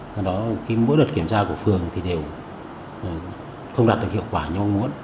mỗi đợt kiểm tra của phường thì đều không đạt được hiệu quả như ông muốn